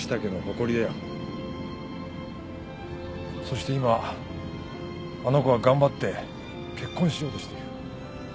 そして今あの子は頑張って結婚しようとしている。